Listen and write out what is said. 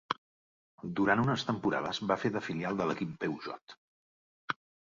Durant unes temporades va fer de filial de l'equip Peugeot.